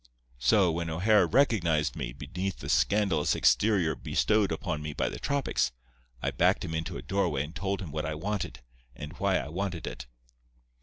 So, when O'Hara recognized me beneath the scandalous exterior bestowed upon me by the tropics, I backed him into a doorway and told him what I wanted, and why I wanted it.